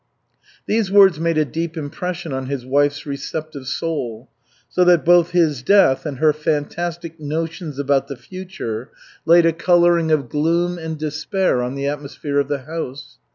These words made a deep impression on his wife's receptive soul, so that both his death and her fantastic notions about the future laid a coloring of gloom and despair on the atmosphere of the house.